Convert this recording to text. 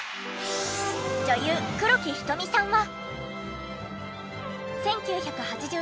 女優黒木瞳さんは。